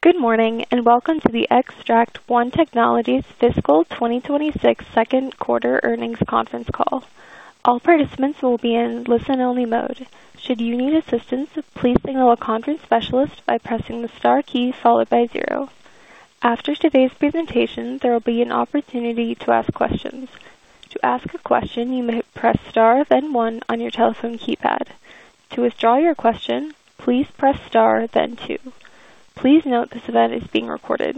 Good morning. Welcome to the Xtract One Technologies Fiscal 2026 second quarter earnings conference call. All participants will be in listen only mode. Should you need assistance, please signal a conference specialist by pressing the star key followed by 0. After today's presentation, there will be an opportunity to ask questions. To ask a question, you may press Star then 1 on your telephone keypad. To withdraw your question, please press Star then 2. Please note this event is being recorded.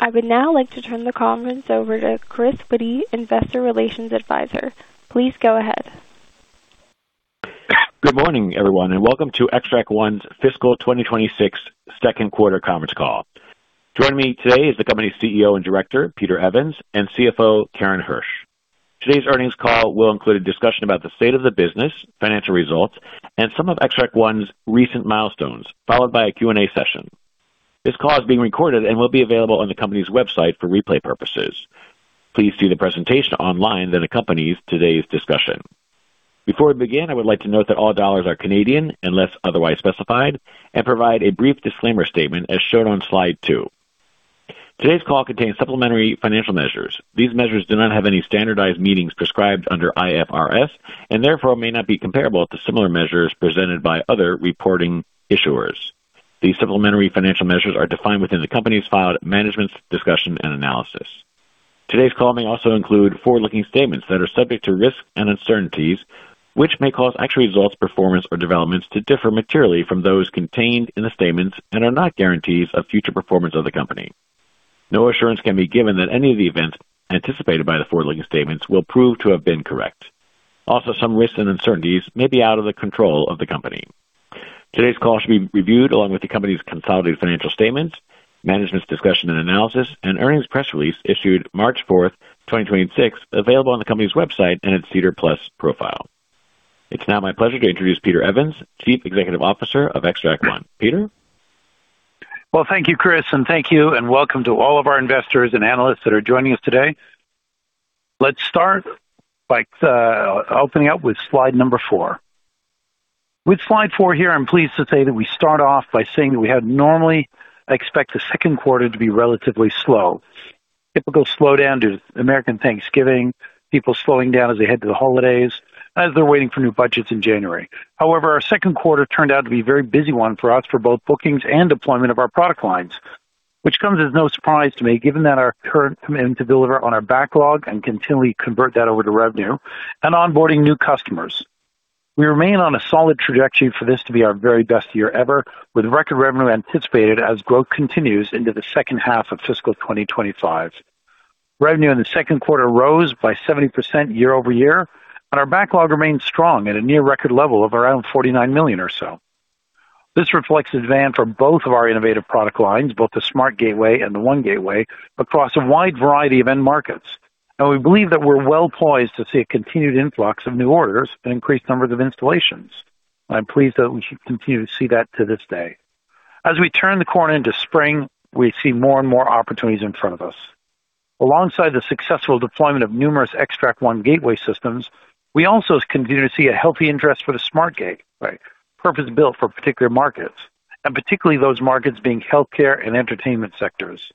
I would now like to turn the conference over to Chris Witty, Investor Relations Advisor. Please go ahead. Good morning, everyone, and welcome to Xtract One's fiscal 2026 second quarter conference call. Joining me today is the company's CEO and Director, Peter Evans, and CFO, Karen Hersh. Today's earnings call will include a discussion about the state of the business, financial results, and some of Xtract One's recent milestones, followed by a Q&A session. This call is being recorded and will be available on the company's website for replay purposes. Please see the presentation online that accompanies today's discussion. Before we begin, I would like to note that all dollars are Canadian unless otherwise specified, and provide a brief disclaimer statement as shown on slide 2. Today's call contains supplementary financial measures. These measures do not have any standardized meanings prescribed under IFRS and therefore may not be comparable to similar measures presented by other reporting issuers. These supplementary financial measures are defined within the company's filed Management's Discussion and Analysis. Today's call may also include forward-looking statements that are subject to risks and uncertainties, which may cause actual results, performance or developments to differ materially from those contained in the statements and are not guarantees of future performance of the company. No assurance can be given that any of the events anticipated by the forward-looking statements will prove to have been correct. Also, some risks and uncertainties may be out of the control of the company. Today's call should be reviewed along with the company's consolidated financial statements, Management's Discussion and Analysis and earnings press release issued March fourth, 2026, available on the company's website and its SEDAR+ profile. It's now my pleasure to introduce Peter Evans, Chief Executive Officer of Xtract One. Peter. Thank you, Chris, and thank you and welcome to all of our investors and analysts that are joining us today. Let's start by opening up with slide number 4. With slide 4 here, I'm pleased to say that we start off by saying that we had normally expect the second quarter to be relatively slow. Typical slowdown due to American Thanksgiving, people slowing down as they head to the holidays, as they're waiting for new budgets in January. Our second quarter turned out to be very busy one for us for both bookings and deployment of our product lines, which comes as no surprise to me, given that our current commitment to deliver on our backlog and continually convert that over to revenue and onboarding new customers. We remain on a solid trajectory for this to be our very best year ever, with record revenue anticipated as growth continues into the second half of fiscal 2025. Revenue in the second quarter rose by 70% year-over-year, and our backlog remains strong at a near record level of around 49 million or so. This reflects demand for both of our innovative product lines, both the SmartGateway and the One Gateway, across a wide variety of end markets. We believe that we're well poised to see a continued influx of new orders and increased numbers of installations. I'm pleased that we should continue to see that to this day. As we turn the corner into spring, we see more and more opportunities in front of us. Alongside the successful deployment of numerous Xtract One Gateway systems, we also continue to see a healthy interest for the SmartGateway, right, purpose-built for particular markets, and particularly those markets being healthcare and entertainment sectors.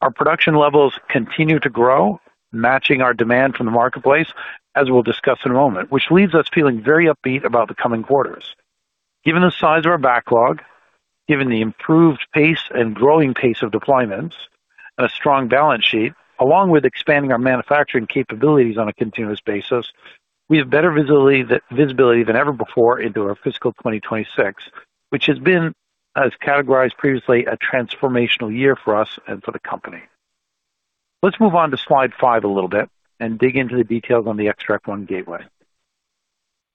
Our production levels continue to grow, matching our demand from the marketplace, as we'll discuss in a moment, which leaves us feeling very upbeat about the coming quarters. Given the size of our backlog, given the improved pace and growing pace of deployments and a strong balance sheet, along with expanding our manufacturing capabilities on a continuous basis, we have better visibility than ever before into our fiscal 2026, which has been, as categorized previously, a transformational year for us and for the company. Let's move on to slide 5 a little bit and dig into the details on the Xtract One Gateway.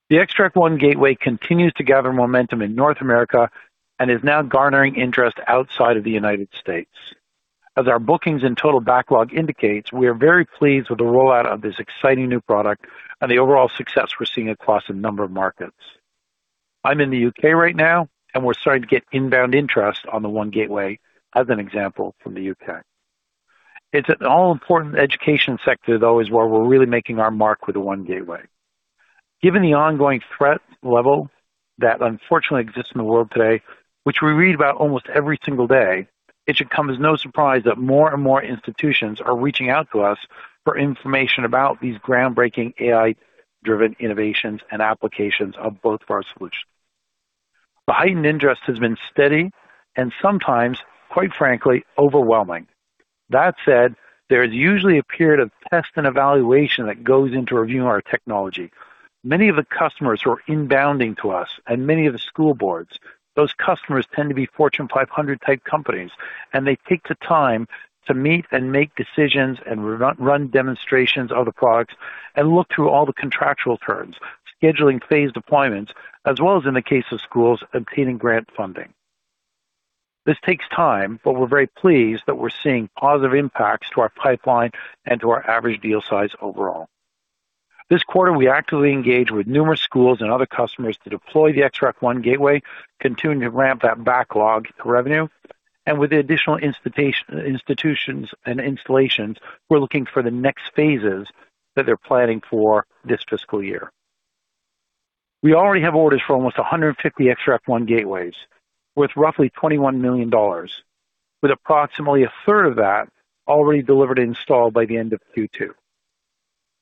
The Xtract One Gateway continues to gather momentum in North America and is now garnering interest outside of the United States. As our bookings and total backlog indicates, we are very pleased with the rollout of this exciting new product and the overall success we're seeing across a number of markets. I'm in the U.K. right now, and we're starting to get inbound interest on the OneGateway as an example from the U.K. It's an all-important education sector, though, is where we're really making our mark with the OneGateway. Given the ongoing threat level that unfortunately exists in the world today, which we read about almost every single day, it should come as no surprise that more and more institutions are reaching out to us for information about these groundbreaking AI-driven innovations and applications of both of our solutions. The heightened interest has been steady and sometimes, quite frankly, overwhelming. That said, there is usually a period of test and evaluation that goes into reviewing our technology. Many of the customers who are inbounding to us and many of the school boards, those customers tend to be Fortune 500 type companies, and they take the time to meet and make decisions and run demonstrations of the products and look through all the contractual terms, scheduling phased deployments, as well as in the case of schools, obtaining grant funding. This takes time, but we're very pleased that we're seeing positive impacts to our pipeline and to our average deal size overall. This quarter, we actively engaged with numerous schools and other customers to deploy the Xtract One Gateway, continuing to ramp that backlog to revenue. With the additional institutions and installations, we're looking for the next phases that they're planning for this fiscal year. We already have orders for almost 150 Xtract One Gateways with roughly $21 million, with approximately a third of that already delivered and installed by the end of Q2.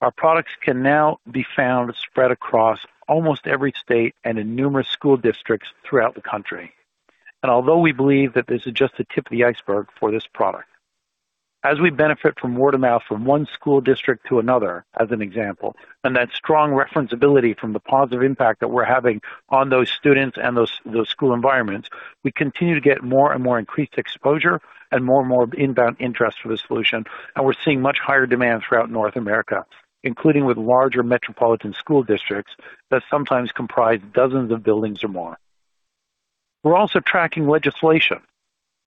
Our products can now be found spread across almost every state and in numerous school districts throughout the country. Although we believe that this is just the tip of the iceberg for this product, as we benefit from word of mouth from one school district to another, as an example, and that strong reference ability from the positive impact that we're having on those students and those school environments, we continue to get more and more increased exposure and more and more inbound interest for the solution. We're seeing much higher demand throughout North America, including with larger metropolitan school districts that sometimes comprise dozens of buildings or more. We're also tracking legislation.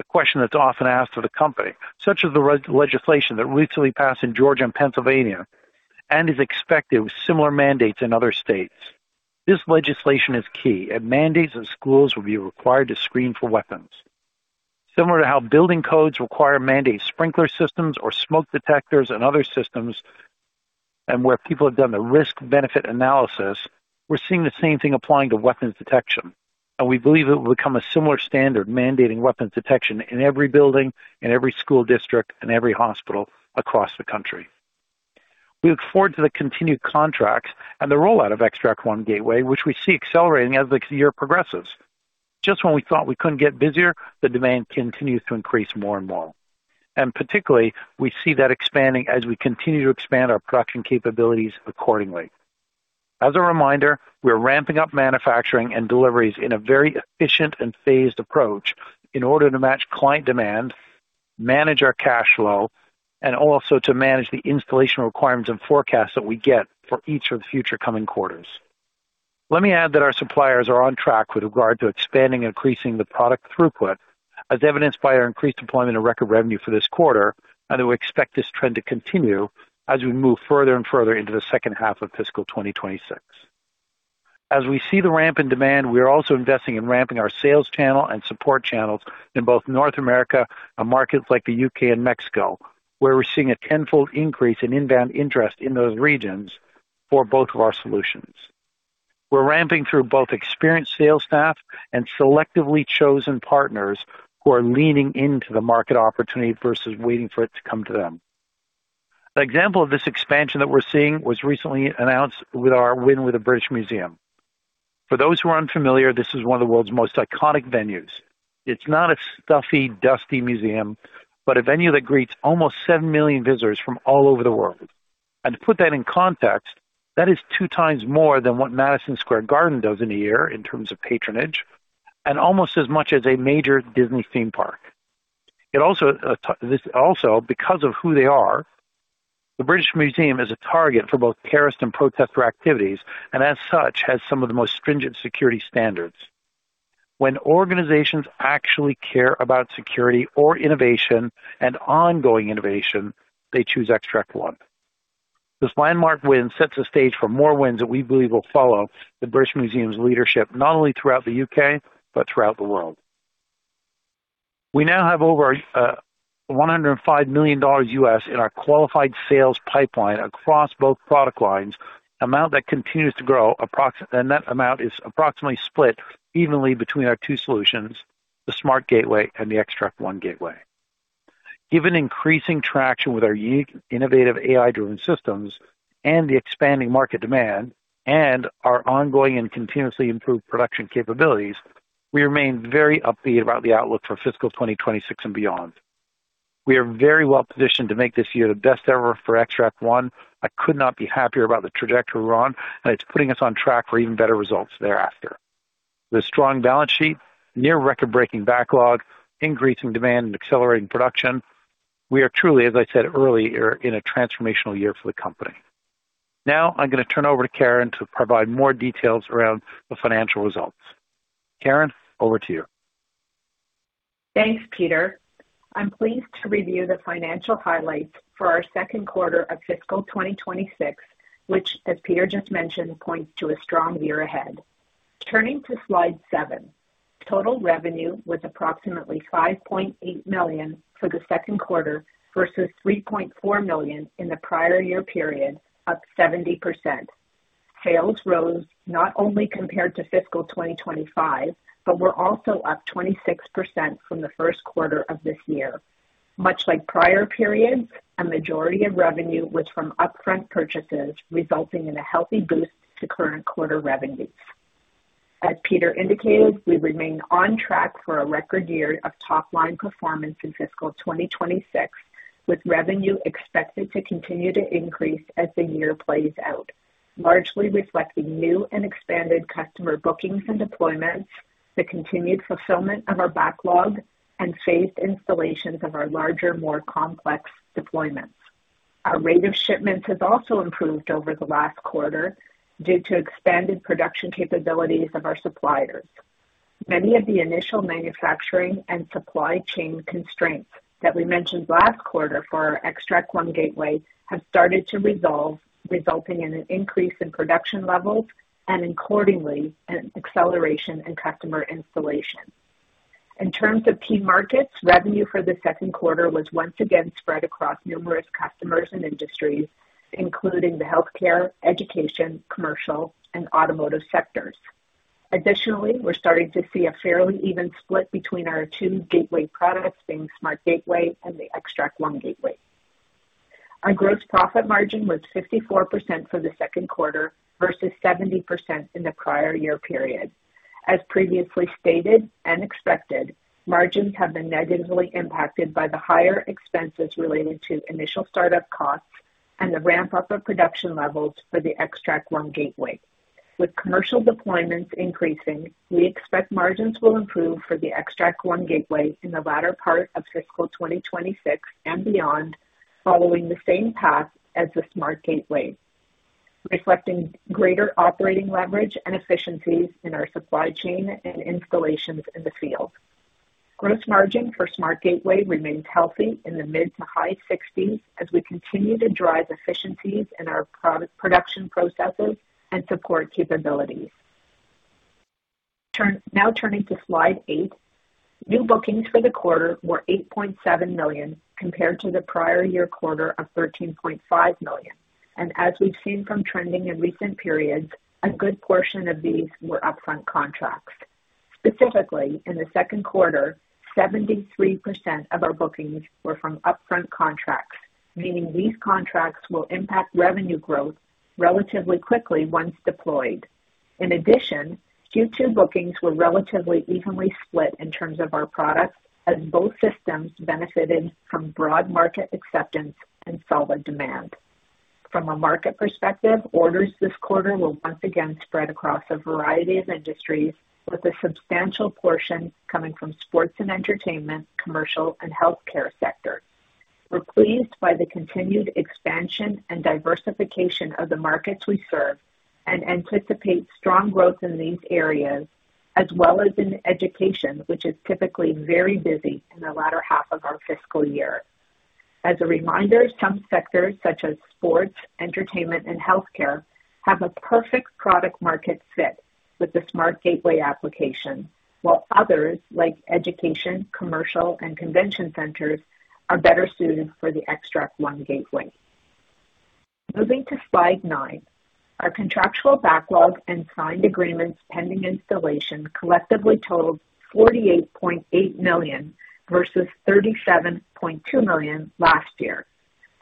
The question that's often asked of the company, such as the re-legislation that recently passed in Georgia and Pennsylvania and is expected with similar mandates in other states. This legislation is key. It mandates that schools will be required to screen for weapons. Similar to how building codes require mandated sprinkler systems or smoke detectors and other systems, and where people have done the risk-benefit analysis, we're seeing the same thing applying to weapons detection, and we believe it will become a similar standard, mandating weapons detection in every building, in every school district, and every hospital across the country. We look forward to the continued contracts and the rollout of Xtract One Gateway, which we see accelerating as the year progresses. Just when we thought we couldn't get busier, the demand continues to increase more and more. Particularly, we see that expanding as we continue to expand our production capabilities accordingly. As a reminder, we're ramping up manufacturing and deliveries in a very efficient and phased approach in order to match client demand, manage our cash flow, also to manage the installation requirements and forecasts that we get for each of the future coming quarters. Let me add that our suppliers are on track with regard to expanding and increasing the product throughput, as evidenced by our increased deployment and record revenue for this quarter, and we expect this trend to continue as we move further and further into the second half of fiscal 2026. As we see the ramp in demand, we are also investing in ramping our sales channel and support channels in both North America and markets like the U.K. and Mexico, where we're seeing a tenfold increase in inbound interest in those regions for both of our solutions. We're ramping through both experienced sales staff and selectively chosen partners who are leaning into the market opportunity versus waiting for it to come to them. An example of this expansion that we're seeing was recently announced with our win with the British Museum. For those who are unfamiliar, this is one of the world's most iconic venues. It's not a stuffy, dusty museum, but a venue that greets almost 7 million visitors from all over the world. To put that in context, that is 2x more than what Madison Square Garden does in a year in terms of patronage and almost as much as a major Disney theme park. It also, this also because of who they are, the British Museum is a target for both terrorist and protester activities, and as such, has some of the most stringent security standards. When organizations actually care about security or innovation and ongoing innovation, they choose Xtract One. This landmark win sets the stage for more wins that we believe will follow the British Museum's leadership, not only throughout the U.K. but throughout the world. We now have over $105 million US in our qualified sales pipeline across both product lines, amount that continues to grow. That amount is approximately split evenly between our two solutions, the SmartGateway and the Xtract One Gateway. Given increasing traction with our unique innovative AI-driven systems and the expanding market demand and our ongoing and continuously improved production capabilities, we remain very upbeat about the outlook for fiscal 2026 and beyond. We are very well positioned to make this year the best ever for Xtract One. I could not be happier about the trajectory we're on, and it's putting us on track for even better results thereafter. The strong balance sheet, near record-breaking backlog, increasing demand, and accelerating production, we are truly, as I said earlier, in a transformational year for the company. Now I'm gonna turn over to Karen to provide more details around the financial results. Karen, over to you. Thanks, Peter. I'm pleased to review the financial highlights for our second quarter of fiscal 2026, which, as Peter just mentioned, points to a strong year ahead. Turning to slide 7. Total revenue was approximately 5.8 million for the second quarter versus 3.4 million in the prior-year period, up 70%. Sales rose not only compared to fiscal 2025, but were also up 26% from the first quarter of this year. Much like prior periods, a majority of revenue was from upfront purchases, resulting in a healthy boost to current quarter revenues. As Peter indicated, we remain on track for a record year of top-line performance in fiscal 2026, with revenue expected to continue to increase as the year plays out, largely reflecting new and expanded customer bookings and deployments, the continued fulfillment of our backlog, and phased installations of our larger, more complex deployments. Our rate of shipments has also improved over the last quarter due to expanded production capabilities of our suppliers. Many of the initial manufacturing and supply chain constraints that we mentioned last quarter for our Xtract One Gateway have started to resolve, resulting in an increase in production levels and accordingly, an acceleration in customer installation. In terms of key markets, revenue for the second quarter was once again spread across numerous customers and industries, including the healthcare, education, commercial, and automotive sectors. We're starting to see a fairly even split between our two gateway products, being SmartGateway and the Xtract One Gateway. Our gross profit margin was 54% for the second quarter versus 70% in the prior year period. As previously stated and expected, margins have been negatively impacted by the higher expenses related to initial startup costs and the ramp up of production levels for the Xtract One Gateway. With commercial deployments increasing, we expect margins will improve for the Xtract One Gateway in the latter part of fiscal 2026 and beyond, following the same path as the SmartGateway, reflecting greater operating leverage and efficiencies in our supply chain and installations in the field. Gross margin for SmartGateway remains healthy in the mid to high sixties as we continue to drive efficiencies in our product production processes and support capabilities. Now turning to slide 8. New bookings for the quarter were 8.7 million compared to the prior year quarter of 13.5 million. As we've seen from trending in recent periods, a good portion of these were upfront contracts. Specifically, in the second quarter, 73% of our bookings were from upfront contracts, meaning these contracts will impact revenue growth relatively quickly once deployed. In addition, Q2 bookings were relatively evenly split in terms of our products, as both systems benefited from broad market acceptance and solid demand. From a market perspective, orders this quarter were once again spread across a variety of industries, with a substantial portion coming from sports and entertainment, commercial, and healthcare sectors. We're pleased by the continued expansion and diversification of the markets we serve and anticipate strong growth in these areas as well as in education, which is typically very busy in the latter half of our fiscal year. As a reminder, some sectors such as sports, entertainment, and healthcare, have a perfect product market fit with the SmartGateway application, while others, like education, commercial, and convention centers, are better suited for the Xtract One Gateway. Moving to slide 9. Our contractual backlog and signed agreements pending installation collectively totaled $48.8 million versus $37.2 million last year.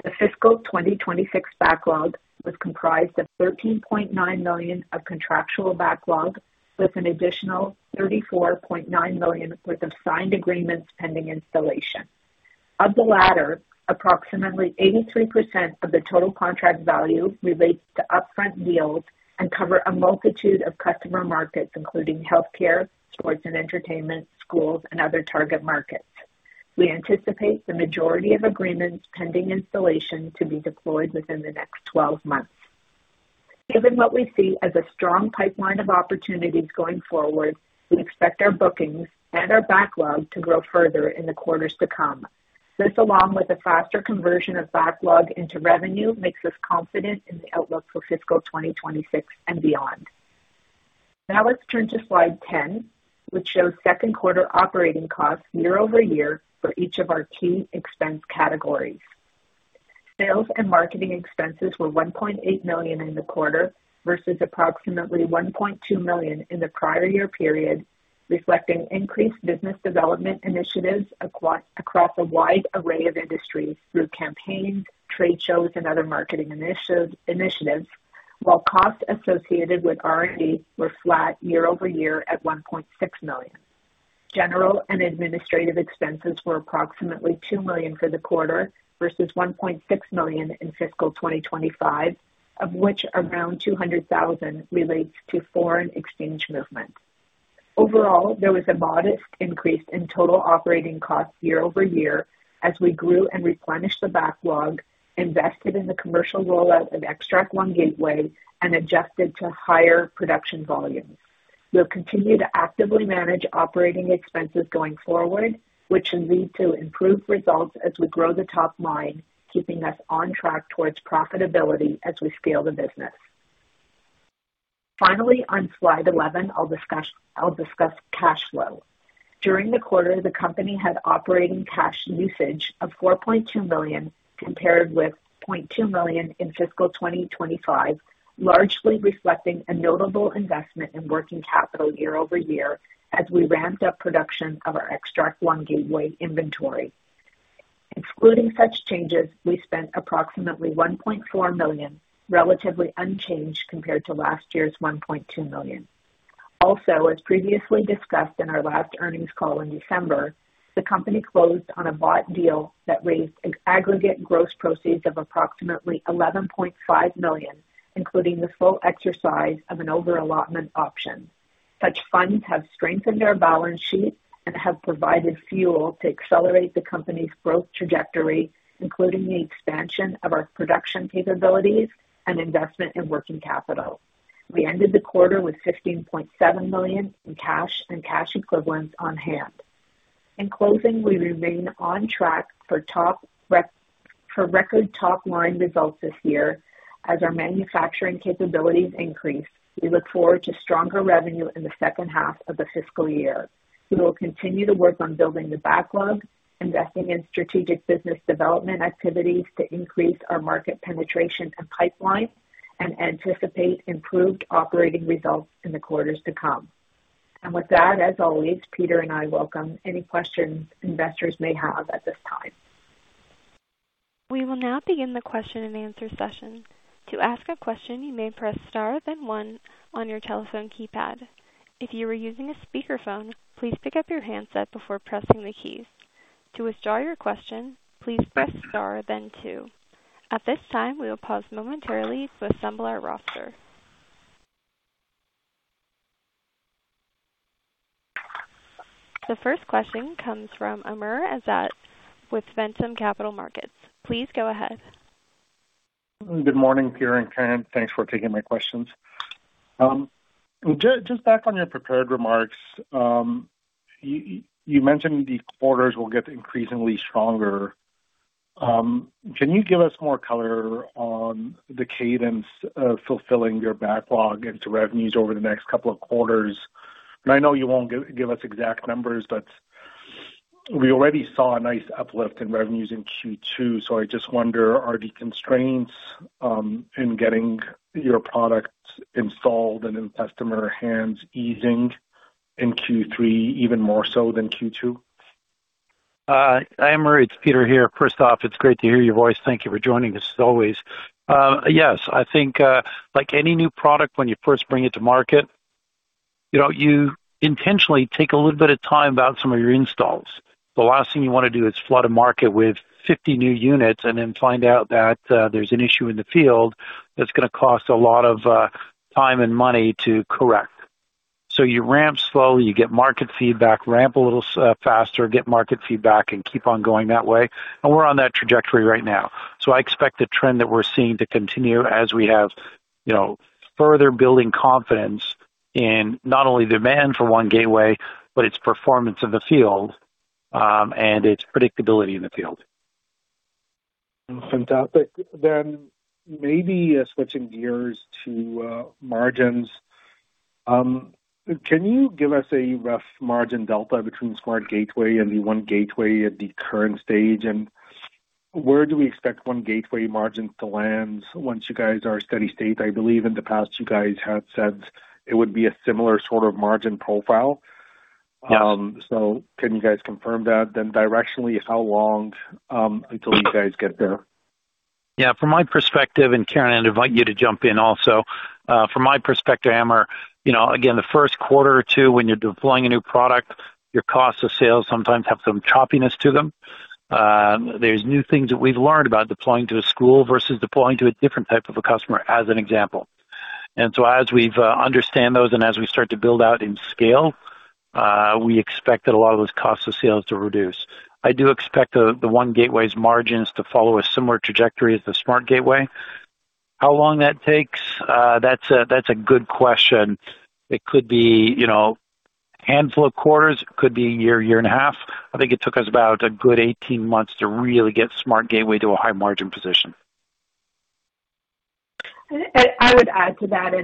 The fiscal 2026 backlog was comprised of $13.9 million of contractual backlog, with an additional $34.9 million worth of signed agreements pending installation. Of the latter, approximately 83% of the total contract value relates to upfront deals and cover a multitude of customer markets, including healthcare, sports and entertainment, schools and other target markets. We anticipate the majority of agreements pending installation to be deployed within the next 12 months. Given what we see as a strong pipeline of opportunities going forward, we expect our bookings and our backlog to grow further in the quarters to come. This, along with a faster conversion of backlog into revenue, makes us confident in the outlook for fiscal 2026 and beyond. Let's turn to slide 10, which shows second quarter operating costs year-over-year for each of our key expense categories. Sales and marketing expenses were 1.8 million in the quarter versus approximately 1.2 million in the prior year period, reflecting increased business development initiatives across a wide array of industries through campaigns, trade shows and other marketing initiatives, while costs associated with R&D were flat year-over-year at 1.6 million. General and administrative expenses were approximately 2 million for the quarter versus 1.6 million in fiscal 2025, of which around 200,000 relates to foreign exchange movements. Overall, there was a modest increase in total operating costs year-over-year as we grew and replenished the backlog, invested in the commercial rollout of Xtract One Gateway, and adjusted to higher production volumes. We'll continue to actively manage operating expenses going forward, which should lead to improved results as we grow the top line, keeping us on track towards profitability as we scale the business. Finally, on slide 11, I'll discuss cash flow. During the quarter, the company had operating cash usage of 4.2 million compared with 0.2 million in fiscal 2025, largely reflecting a notable investment in working capital year-over-year as we ramped up production of our Xtract One Gateway inventory. Excluding such changes, we spent approximately 1.4 million, relatively unchanged compared to last year's 1.2 million. As previously discussed in our last earnings call in December, the company closed on a bought deal that raised an aggregate gross proceeds of approximately 11.5 million, including the full exercise of an over-allotment option. Such funds have strengthened our balance sheet and have provided fuel to accelerate the company's growth trajectory, including the expansion of our production capabilities and investment in working capital. We ended the quarter with 15.7 million in cash and cash equivalents on hand. In closing, we remain on track for For record top line results this year, as our manufacturing capabilities increase, we look forward to stronger revenue in the second half of the fiscal year. We will continue to work on building the backlog, investing in strategic business development activities to increase our market penetration and pipeline, and anticipate improved operating results in the quarters to come. With that, as always, Peter and I welcome any questions investors may have at this time. We will now begin the question and answer session. To ask a question, you may press Star, then one on your telephone keypad. If you are using a speakerphone, please pick up your handset before pressing the keys. To withdraw your question, please press Star then two. At this time, we will pause momentarily to assemble our roster. The first question comes from Amr Ezzat with Echelon Wealth Partners. Please go ahead. Good morning, Peter and Karen. Thanks for taking my questions. Just back on your prepared remarks. You mentioned the quarters will get increasingly stronger. Can you give us more color on the cadence of fulfilling your backlog into revenues over the next couple of quarters? I know you won't give us exact numbers, but we already saw a nice uplift in revenues in Q2. I just wonder, are the constraints in getting your products installed and in customer hands easing in Q3 even more so than Q2? Amr Ezzat, it's Peter here. First off, it's great to hear your voice. Thank you for joining us, as always. Yes. I think, like any new product, when you first bring it to market, you know, you intentionally take a little bit of time about some of your installs. The last thing you wanna do is flood a market with 50 new units and then find out that there's an issue in the field that's gonna cost a lot of time and money to correct. You ramp slowly, you get market feedback, ramp a little faster, get market feedback, and keep on going that way. We're on that trajectory right now. I expect the trend that we're seeing to continue as we have, you know, further building confidence in not only demand for OneGateway, but its performance in the field, and its predictability in the field. Fantastic. Maybe switching gears to margins. Can you give us a rough margin delta between SmartGateway and the OneGateway at the current stage? Where do we expect OneGateway margins to land once you guys are steady state? I believe in the past you guys had said it would be a similar sort of margin profile. Yes. Can you guys confirm that? Directionally, how long until you guys get there? Yeah, from my perspective, and Karen, I'd invite you to jump in also. From my perspective, Amr, you know, again, the first quarter or two, when you're deploying a new product, your cost of sales sometimes have some choppiness to them. There's new things that we've learned about deploying to a school versus deploying to a different type of a customer, as an example. As we've understand those and as we start to build out in scale, we expect that a lot of those costs of sales to reduce. I do expect the OneGateway's margins to follow a similar trajectory as the SmartGateway. How long that takes? That's a good question. It could be, you know, handful of quarters. It could be a year and a half. I think it took us about a good 18 months to really get SmartGateway to a high margin position. I would add to that.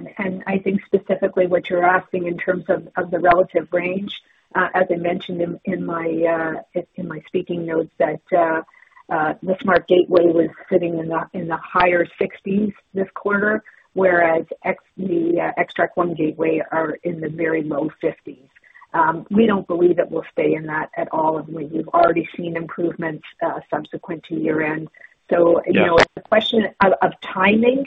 I think specifically what you're asking in terms of the relative range, as I mentioned in my speaking notes, that the SmartGateway was sitting in the higher 60s this quarter, whereas the Xtract One Gateway are in the very low 50s. We don't believe it will stay in that at all, and we've already seen improvements subsequent to year-end. Yeah. You know, the question of timing,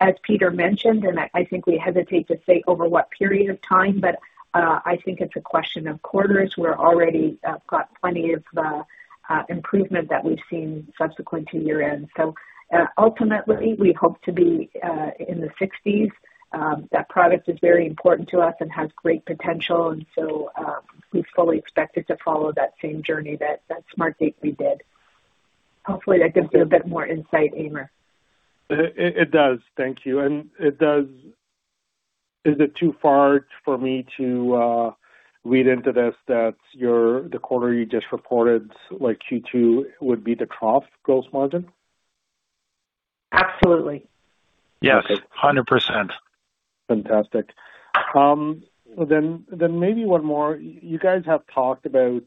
as Peter mentioned, I think we hesitate to say over what period of time, but I think it's a question of quarters. We're already got plenty of improvement that we've seen subsequent to year-end. Ultimately we hope to be in the 60s. That product is very important to us and has great potential. We fully expect it to follow that same journey that SmartGateway did. Hopefully that gives you a bit more insight, Amr. It does. Thank you. Is it too far for me to read into this that the quarter you just reported, like Q2, would be the trough gross margin? Absolutely. Yes, 100%. Fantastic. Maybe one more. You guys have talked about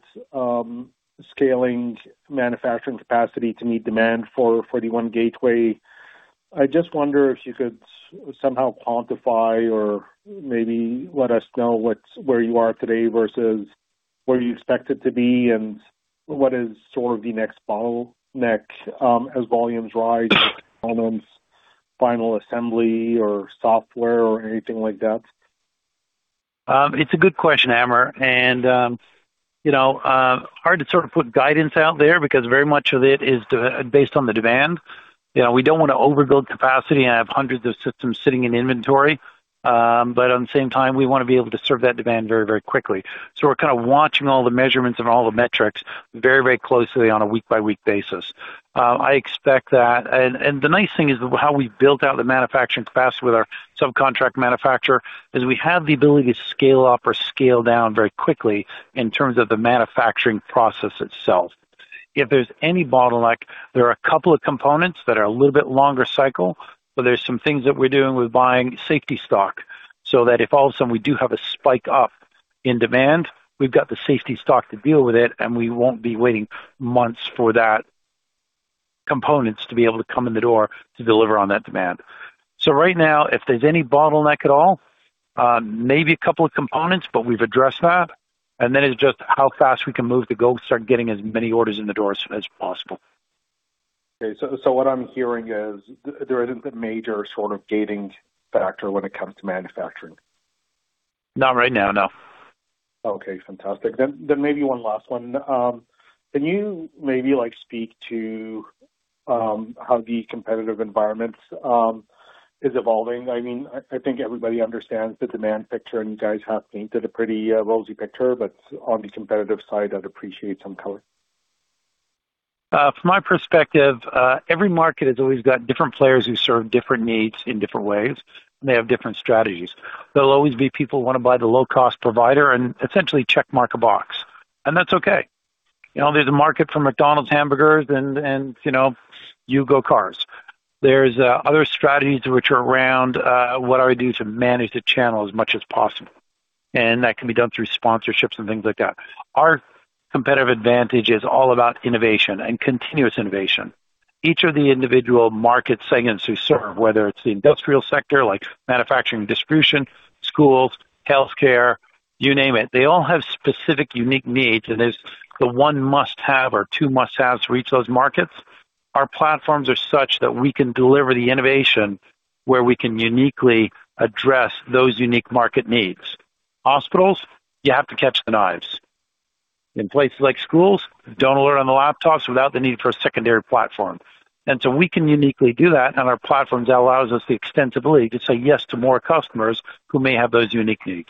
scaling manufacturing capacity to meet demand for the OneGateway. I just wonder if you could somehow quantify or maybe let us know what's where you are today versus where you expect it to be, and what is sort of the next bottleneck, as volumes rise, Components, final assembly or software or anything like that? It's a good question, Amr. You know, hard to sort of put guidance out there because very much of it is based on the demand. You know, we don't wanna overbuild capacity and have hundreds of systems sitting in inventory. At the same time, we wanna be able to serve that demand very, very quickly. We're kind of watching all the measurements and all the metrics very, very closely on a week-by-week basis. I expect that. The nice thing is how we built out the manufacturing capacity with our subcontract manufacturer is we have the ability to scale up or scale down very quickly in terms of the manufacturing process itself. If there's any bottleneck, there are a couple of components that are a little bit longer cycle, but there's some things that we're doing with buying safety stock so that if all of a sudden we do have a spike up in demand, we've got the safety stock to deal with it, and we won't be waiting months for that components to be able to come in the door to deliver on that demand. Right now, if there's any bottleneck at all, maybe a couple of components, but we've addressed that. Then it's just how fast we can move the goals to start getting as many orders in the door as possible. What I'm hearing is there isn't a major sort of gating factor when it comes to manufacturing. Not right now, no. Okay, fantastic. Maybe one last one. Can you maybe, like, speak to how the competitive environment is evolving? I mean, I think everybody understands the demand picture, and you guys have painted a pretty rosy picture, but on the competitive side, I'd appreciate some color. From my perspective, every market has always got different players who serve different needs in different ways. They have different strategies. There'll always be people who wanna buy the low cost provider and essentially check mark a box. That's okay. You know, there's a market for McDonald's hamburgers and, you know, Yugo cars. There's other strategies which are around what do I do to manage the channel as much as possible? That can be done through sponsorships and things like that. Our competitive advantage is all about innovation and continuous innovation. Each of the individual market segments we serve, whether it's the industrial sector like manufacturing, distribution, schools, healthcare, you name it, they all have specific unique needs, and there's the one must-have or two must-haves to reach those markets. Our platforms are such that we can deliver the innovation where we can uniquely address those unique market needs. Hospitals, you have to catch the knives. In places like schools, don't learn on the laptops without the need for a secondary platform. We can uniquely do that on our platforms. That allows us the extensibility to say yes to more customers who may have those unique needs.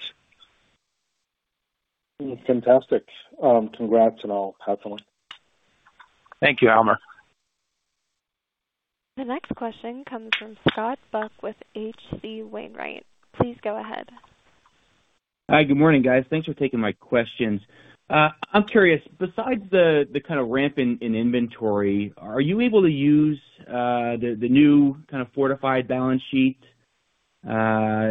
Fantastic. Congrats on all. Have fun. Thank you, Amr. The next question comes from Scott Buck with H.C. Wainwright. Please go ahead. Hi. Good morning, guys. Thanks for taking my questions. I'm curious, besides the kinda ramp in inventory, are you able to use the new kind of fortified balance sheet to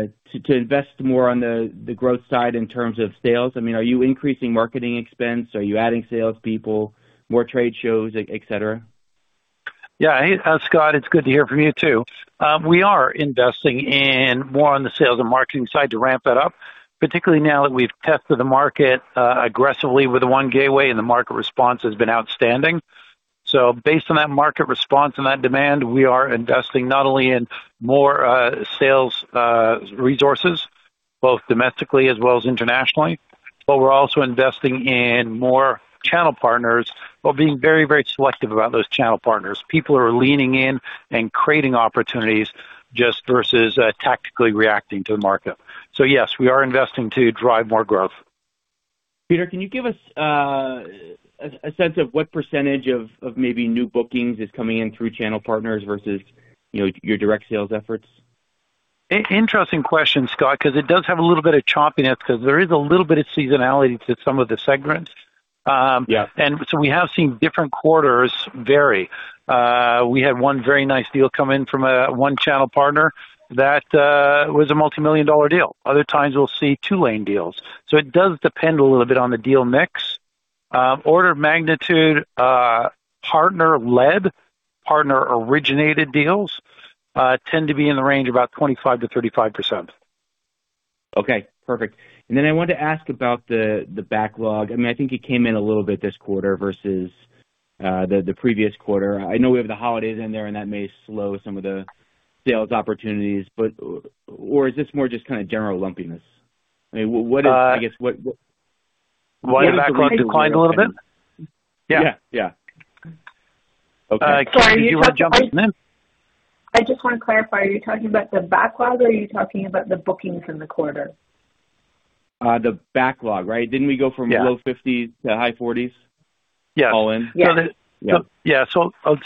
invest more on the growth side in terms of sales? I mean, are you increasing marketing expense? Are you adding salespeople, more trade shows, et cetera? Yeah. Hey, Scott, it's good to hear from you too. We are investing in more on the sales and marketing side to ramp that up, particularly now that we've tested the market, aggressively with the one gateway, and the market response has been outstanding. Based on that market response and that demand, we are investing not only in more sales resources both domestically as well as internationally, but we're also investing in more channel partners while being very, very selective about those channel partners. People are leaning in and creating opportunities just versus tactically reacting to the market. Yes, we are investing to drive more growth. Peter, can you give us a sense of what percentage of maybe new bookings is coming in through channel partners versus, you know, your direct sales efforts? Interesting question, Scott, 'cause it does have a little bit of choppiness 'cause there is a little bit of seasonality to some of the segments. Yeah. We have seen different quarters vary. We had 1 very nice deal come in from 1 channel partner that was a multimillion-dollar deal. Other times we'll see 2 lane deals. It does depend a little bit on the deal mix. Order of magnitude, partner-led, partner-originated deals, tend to be in the range of about 25%-35%. Okay. Perfect. I wanted to ask about the backlog. I mean, I think it came in a little bit this quarter versus the previous quarter. I know we have the holidays in there, and that may slow some of the sales opportunities, but or is this more just kind of general lumpiness? I mean. Uh- I guess what. Why the backlog decline a little bit? Yeah. Yeah. Yeah. Okay. Karen, did you wanna jump in then? I just wanna clarify. Are you talking about the backlog or are you talking about the bookings in the quarter? The backlog, right? Didn't we go Yeah... low 50s to high 40s Yeah... all in? Yeah. So the- Yeah. Yeah.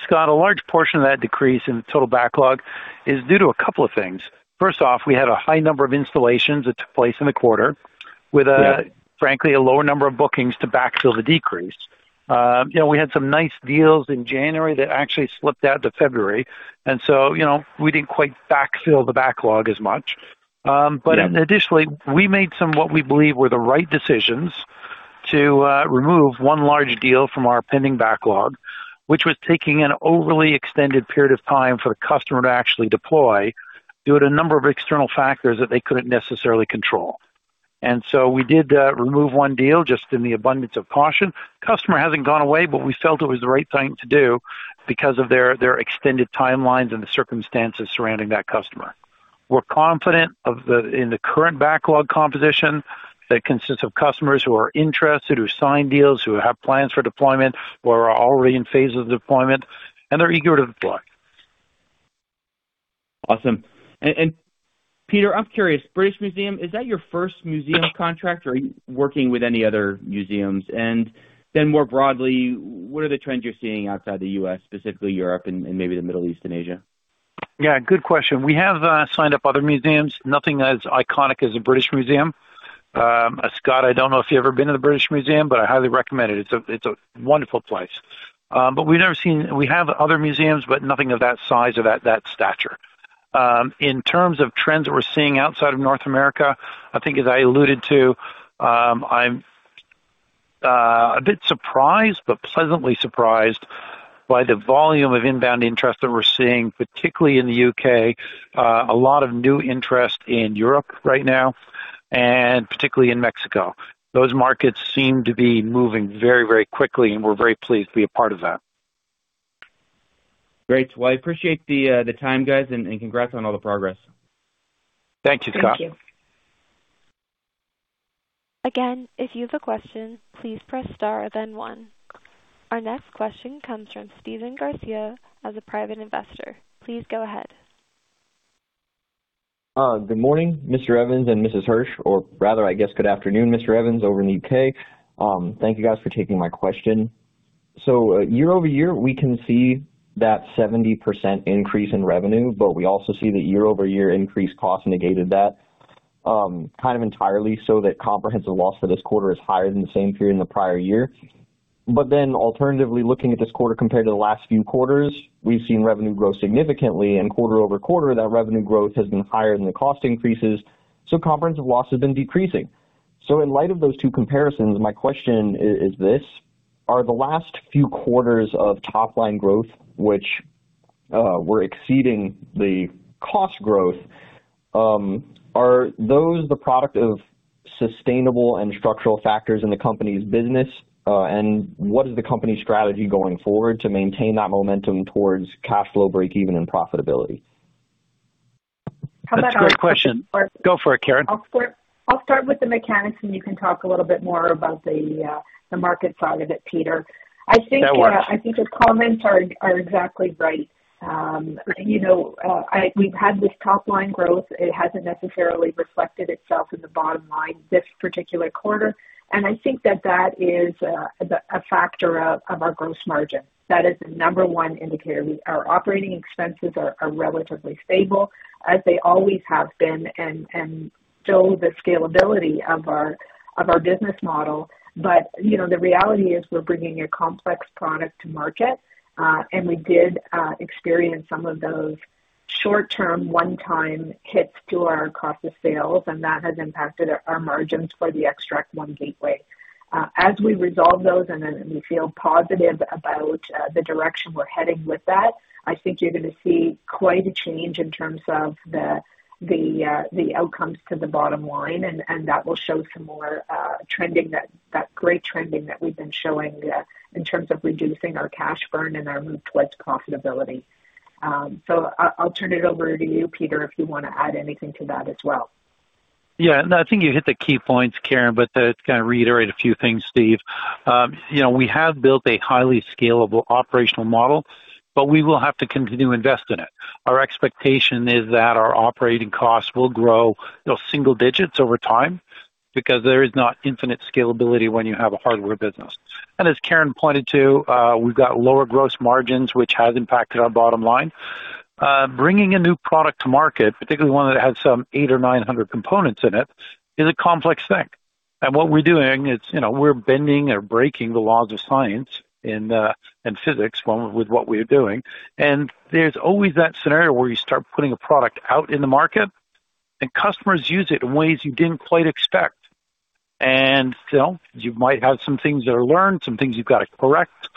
Scott, a large portion of that decrease in the total backlog is due to a couple of things. First off, we had a high number of installations that took place in the quarter with. Yeah... frankly, a lower number of bookings to backfill the decrease. You know, we had some nice deals in January that actually slipped out to February, and so, you know, we didn't quite backfill the backlog as much. Yeah... additionally, we made some, what we believe were the right decisions to remove one large deal from our pending backlog, which was taking an overly extended period of time for the customer to actually deploy due to a number of external factors that they couldn't necessarily control. We did remove one deal just in the abundance of caution. Customer hasn't gone away. We felt it was the right thing to do because of their extended timelines and the circumstances surrounding that customer. We're confident in the current backlog composition that consists of customers who are interested, who sign deals, who have plans for deployment or are already in phases of deployment. They're eager to deploy. Awesome. Peter, I'm curious, British Museum, is that your first museum contract, or are you working with any other museums? More broadly, what are the trends you're seeing outside the U.S., specifically Europe and maybe the Middle East and Asia? Yeah, good question. We have signed up other museums. Nothing as iconic as the British Museum. Scott, I don't know if you've ever been to the British Museum, but I highly recommend it. It's a wonderful place. We've never seen. We have other museums, but nothing of that size or that stature. In terms of trends that we're seeing outside of North America, I think, as I alluded to, I'm a bit surprised, but pleasantly surprised by the volume of inbound interest that we're seeing, particularly in the U.K. A lot of new interest in Europe right now, and particularly in Mexico. Those markets seem to be moving very, very quickly, and we're very pleased to be a part of that. Great. I appreciate the time, guys, and congrats on all the progress. Thank you, Scott. Thank you. Again, if you have a question, please press star then one. Our next question comes from Steven Garcia as a private investor. Please go ahead. Good morning, Mr. Evans and Mrs. Hersh, or rather, I guess good afternoon, Mr. Evans over in the U.K. Thank you guys for taking my question. Year-over-year, we can see that 70% increase in revenue, but we also see that year-over-year increased costs negated that, kind of entirely so that comprehensive loss for this quarter is higher than the same period in the prior year. Alternatively, looking at this quarter compared to the last few quarters, we've seen revenue grow significantly and quarter-over-quarter that revenue growth has been higher than the cost increases, so comprehensive loss has been decreasing. In light of those two comparisons, my question is this: Are the last few quarters of top line growth, which were exceeding the cost growth, are those the product of sustainable and structural factors in the company's business? What is the company strategy going forward to maintain that momentum towards cash flow break-even and profitability? How about. That's a great question. Go for it, Karen. I'll start with the mechanics. You can talk a little bit more about the market side of it, Peter. That works. I think your comments are exactly right. You know, we've had this top line growth. It hasn't necessarily reflected itself in the bottom line this particular quarter. I think that that is a factor of our gross margin. That is the number one indicator. Our operating expenses are relatively stable as they always have been and show the scalability of our business model. You know, the reality is we're bringing a complex product to market, and we did experience some of those short-term one-time hits to our cost of sales, and that has impacted our margins for the Xtract One Gateway. As we resolve those and then we feel positive about the direction we're heading with that, I think you're gonna see quite a change in terms of the outcomes to the bottom line, and that will show some more trending that great trending that we've been showing in terms of reducing our cash burn and our move towards profitability. I'll turn it over to you, Peter, if you wanna add anything to that as well. No, I think you hit the key points, Karen, but to kind of reiterate a few things, Steve. you know, we have built a highly scalable operational model, but we will have to continue to invest in it. Our expectation is that our operating costs will grow, you know, single digits over time because there is not infinite scalability when you have a hardware business. as Karen pointed to, we've got lower gross margins, which has impacted our bottom line. bringing a new product to market, particularly one that has some 800 or 900 components in it, is a complex thing. what we're doing is, you know, we're bending or breaking the laws of science and physics with what we're doing. There's always that scenario where you start putting a product out in the market and customers use it in ways you didn't quite expect. You know, you might have some things that are learned, some things you've got to correct,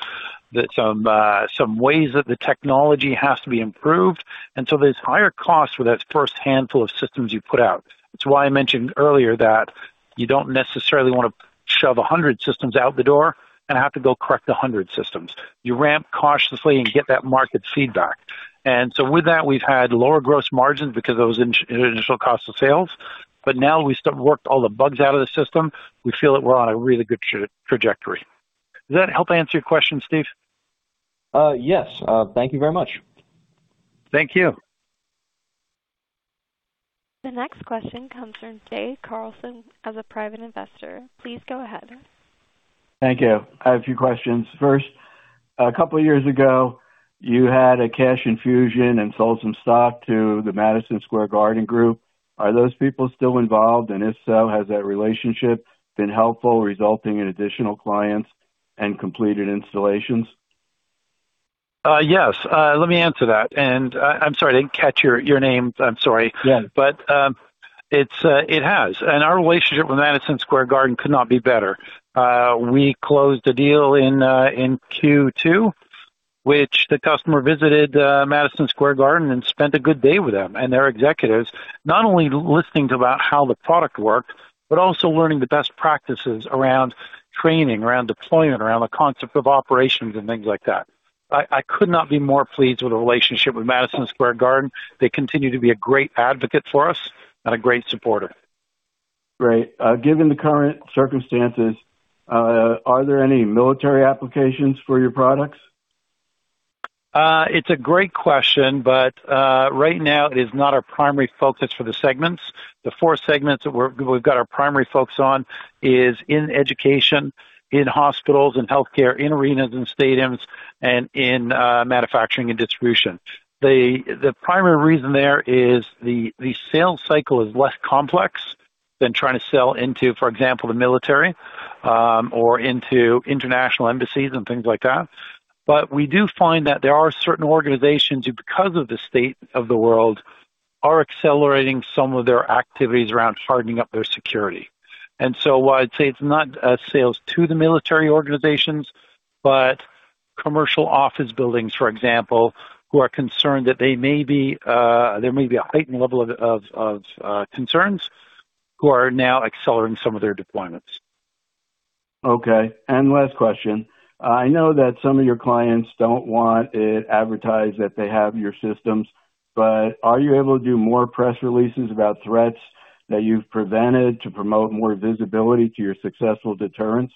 that some ways that the technology has to be improved. So there's higher costs for that first handful of systems you put out. It's why I mentioned earlier that you don't necessarily wanna shove 100 systems out the door and have to go correct 100 systems. You ramp cautiously and get that market feedback. So with that, we've had lower gross margins because of those initial cost of sales. But now we sort of worked all the bugs out of the system. We feel that we're on a really good trajectory. Does that help answer your question, Steve? Yes. Thank you very much. Thank you. The next question comes from Dave Carlson as a private investor. Please go ahead. Thank you. I have a few questions. First, a couple of years ago, you had a cash infusion and sold some stock to the Madison Square Garden Group. Are those people still involved? If so, has that relationship been helpful, resulting in additional clients and completed installations? Yes. Let me answer that. I'm sorry, I didn't catch your name. I'm sorry. Yeah. It's, it has. Our relationship with Madison Square Garden could not be better. We closed the deal in Q2, which the customer visited Madison Square Garden and spent a good day with them and their executives, not only listening to about how the product worked, but also learning the best practices around training, around deployment, around the concept of operations and things like that. I could not be more pleased with the relationship with Madison Square Garden. They continue to be a great advocate for us and a great supporter. Great. given the current circumstances, are there any military applications for your products? It's a great question, but right now it is not our primary focus for the segments. The four segments that we've got our primary focus on is in education, in hospitals and healthcare, in arenas and stadiums, and in manufacturing and distribution. The primary reason there is the sales cycle is less complex than trying to sell into, for example, the military, or into international embassies and things like that. We do find that there are certain organizations who, because of the state of the world, are accelerating some of their activities around hardening up their security. While I'd say it's not sales to the military organizations, but commercial office buildings, for example, who are concerned that they may be, there may be a heightened level of concerns who are now accelerating some of their deployments. Okay. Last question. I know that some of your clients don't want it advertised that they have your systems, but are you able to do more press releases about threats that you've prevented to promote more visibility to your successful deterrence?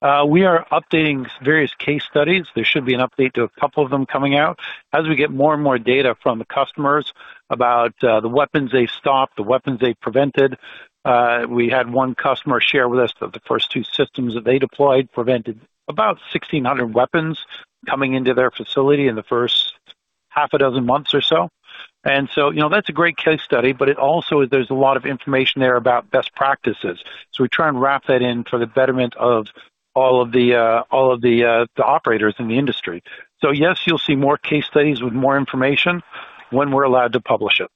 We are updating various case studies. There should be an update to a couple of them coming out. As we get more and more data from the customers about the weapons they stopped, the weapons they prevented. We had one customer share with us that the first two systems that they deployed prevented about 1,600 weapons coming into their facility in the first half a dozen months or so. You know, that's a great case study, but it also there's a lot of information there about best practices. We try and wrap that in for the betterment of all of the, all of the operators in the industry. Yes, you'll see more case studies with more information when we're allowed to publish it.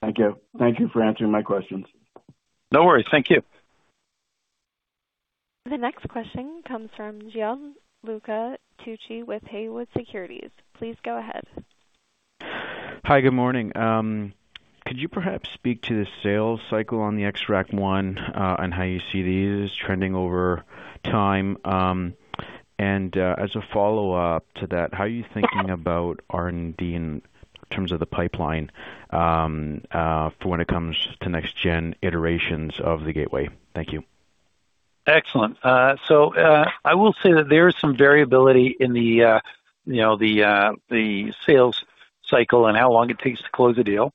Thank you. Thank you for answering my questions. No worries. Thank you. The next question comes from Gianluca Tucci with Haywood Securities. Please go ahead. Hi. Good morning. Could you perhaps speak to the sales cycle on the Xtract One, and how you see these trending over time? As a follow-up to that, how are you thinking about R&D in terms of the pipeline, for when it comes to next gen iterations of the gateway? Thank you. Excellent. I will say that there is some variability in the, you know, the sales cycle and how long it takes to close a deal.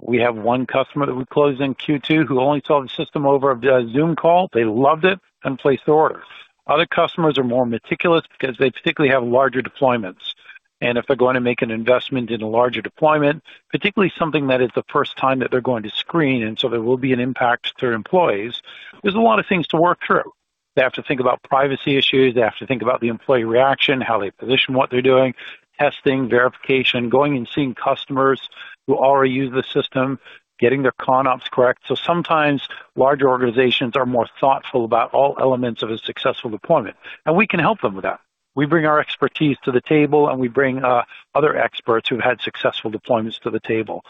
We have one customer that we closed in Q2 who only saw the system over a Zoom call. They loved it and placed the order. Other customers are more meticulous because they particularly have larger deployments. If they're going to make an investment in a larger deployment, particularly something that is the first time that they're going to screen, there will be an impact to their employees, there's a lot of things to work through. They have to think about privacy issues. They have to think about the employee reaction, how they position what they're doing, testing, verification, going and seeing customers who already use the system, getting their ConOps correct. Sometimes larger organizations are more thoughtful about all elements of a successful deployment, and we can help them with that. We bring our expertise to the table, and we bring other experts who've had successful deployments to the table.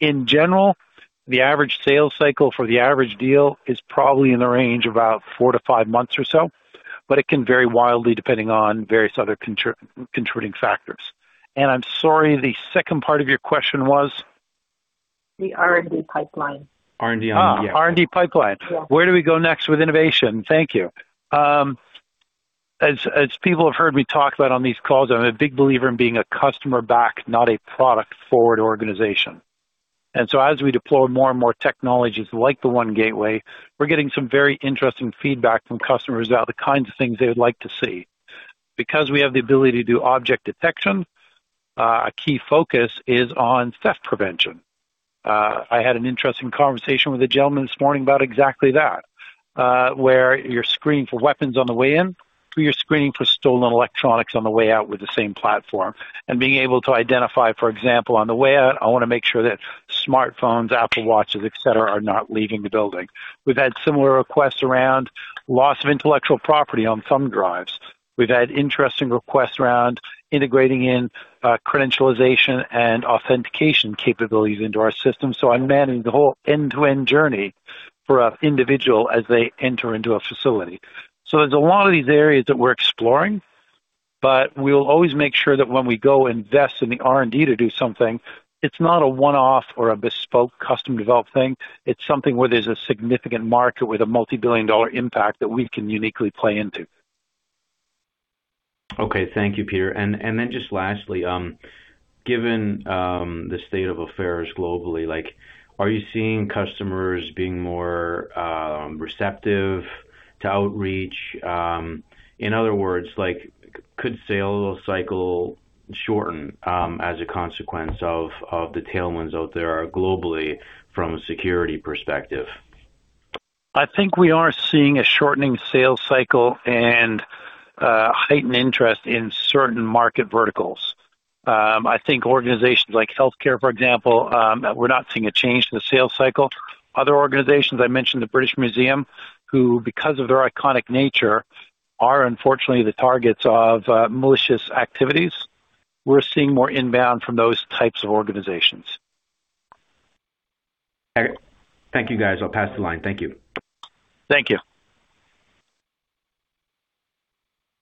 In general, the average sales cycle for the average deal is probably in the range of about 4 to 5 months or so, but it can vary wildly depending on various other contributing factors. I'm sorry, the second part of your question was? The R&D pipeline. R&D on- R&D pipeline. Yeah. Where do we go next with innovation? Thank you. As people have heard me talk about on these calls, I'm a big believer in being a customer-backed, not a product-forward organization. As we deploy more and more technologies like the One Gateway, we're getting some very interesting feedback from customers about the kinds of things they would like to see. Because we have the ability to do object detection, a key focus is on theft prevention. I had an interesting conversation with a gentleman this morning about exactly that, where you're screening for weapons on the way in, you're screening for stolen electronics on the way out with the same platform. Being able to identify, for example, on the way out, I wanna make sure that smartphones, Apple Watch, et cetera, are not leaving the building. We've had similar requests around loss of intellectual property on thumb drives. We've had interesting requests around integrating in credentialization and authentication capabilities into our system, so on managing the whole end-to-end journey for an individual as they enter into a facility. There's a lot of these areas that we're exploring, but we will always make sure that when we go invest in the R&D to do something, it's not a one-off or a bespoke custom-developed thing. It's something where there's a significant market with a multi-billion dollar impact that we can uniquely play into. Okay. Thank you, Peter. Then just lastly, given the state of affairs globally, like are you seeing customers being more receptive to outreach? In other words, like could sales cycle shorten as a consequence of the tailwinds out there globally from a security perspective? I think we are seeing a shortening sales cycle and heightened interest in certain market verticals. I think organizations like healthcare, for example, we're not seeing a change in the sales cycle. Other organizations, I mentioned the British Museum, who because of their iconic nature, are unfortunately the targets of malicious activities. We're seeing more inbound from those types of organizations. Thank you, guys. I'll pass the line. Thank you. Thank you.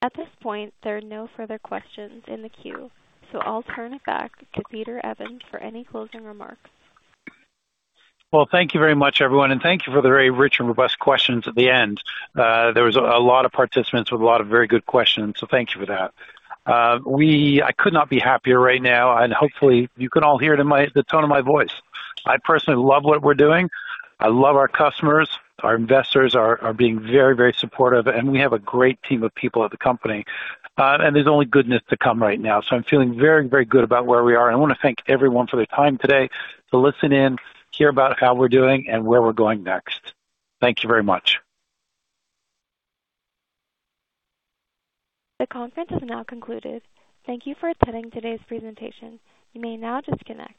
At this point, there are no further questions in the queue, so I'll turn it back to Peter Evans for any closing remarks. Thank you very much, everyone, and thank you for the very rich and robust questions at the end. There was a lot of participants with a lot of very good questions, so thank you for that. I could not be happier right now, and hopefully you can all hear it in the tone of my voice. I personally love what we're doing. I love our customers. Our investors are being very, very supportive, and we have a great team of people at the company. And there's only goodness to come right now. I'm feeling very, very good about where we are. I wanna thank everyone for their time today to listen in, hear about how we're doing and where we're going next. Thank you very much. The conference has now concluded. Thank you for attending today's presentation. You may now disconnect.